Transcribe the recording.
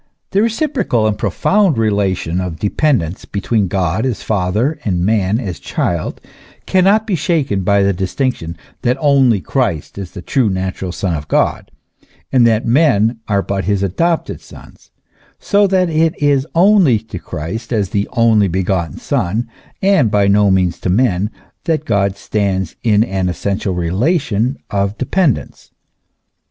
The reciprocal and profound relation of dependence between God as father and man as child, cannot be shaken by the distinc tion, that only Christ is the true, natural son of God, and that men are but his adopted sons ; so that it is only to Christ as the only begotten Son, and by no means to men, that God stands in an essential relation of dependence.